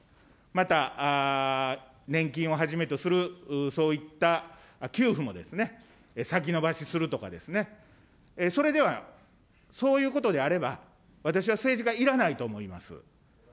また年金をはじめとするそういった給付も先延ばしするとかですね、それでは、そういうことであれば、私は政治家いらないと思います。